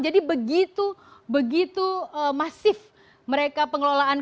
jadi begitu begitu masif mereka pengelolaan keuangan